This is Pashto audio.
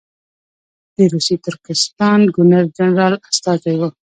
د روسي ترکستان ګورنر جنرال استازی وو.